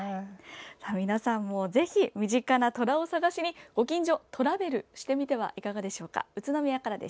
皆さんもぜひ身近なトラを探しにご近所トラベルしてみてはいかがでしょうか。